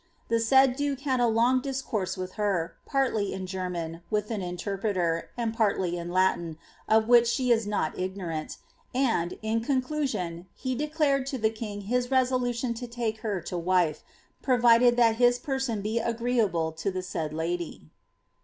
The said duke had a long discourse with her, partly in German, with an interpreter, and partly in Latin, of which she is not ignorant; and, in conclusion, he declared to the king his resolution to take her to wife, provided that his person be agreeable to the said kdy."